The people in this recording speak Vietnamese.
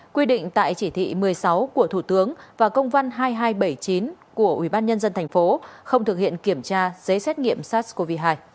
quy định tại chỉ thị một mươi sáu của thủ tướng và công văn hai nghìn hai trăm bảy mươi chín của ủy ban nhân dân thành phố không thực hiện kiểm tra giấy xét nghiệm sars cov hai